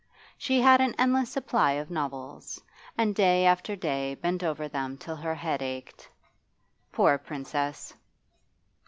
She had an endless supply of novels, and day after day bent over them till her head ached. Poor Princess!